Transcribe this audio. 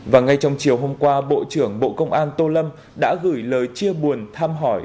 và ngay trong chiều hôm qua bộ trưởng bộ công an tô lâm đã gửi lời chia buồn thăm hỏi